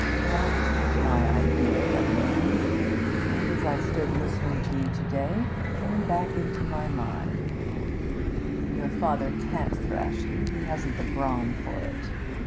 That was my idea, young man; and as I stood listening to you to day, it came back into my mind again. Your father can't thrash you; he hasn't the brawn for it.